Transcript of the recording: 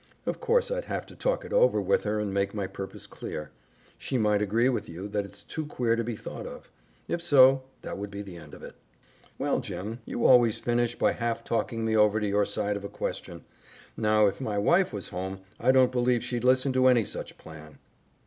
Of course I'd have to talk it over with her and make my purpose clear. She might agree with you that it's too queer to be thought of. If so, that would be the end of it." "Will, Jim, you always finish by half talking me over to your side of a question. Now, if my wife was home, I don't believe she'd listen to any such plan."